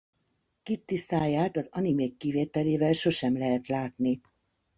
Kitty száját az animék kivételével sosem lehet látni.